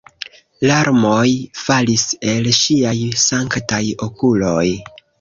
Larmoj falis el ŝiaj sanktaj okuloj.